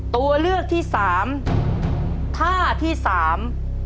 ตัวเลือกที่สามท่าที่สาม